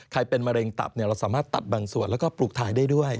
เป็นมะเร็งตับเราสามารถตัดบางส่วนแล้วก็ปลูกถ่ายได้ด้วย